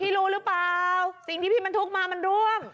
พี่รู้รึเปลี่ยวที่พี่บรรทุกมามันร่วม